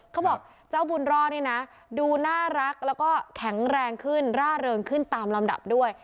เขาบอกเจ้าบุญรอดนี่นะดูน่ารักแล้วก็แข็งแรงขึ้นร่าเริงขึ้นตามลำดับด้วย